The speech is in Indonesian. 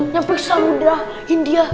nyamping samudera india